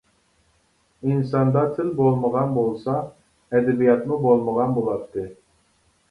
ئىنساندا تىل بولمىغان بولسا، ئەدەبىياتمۇ بولمىغان بولاتتى.